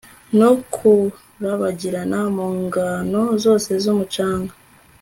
no kurabagirana mu ngano zose z'umucanga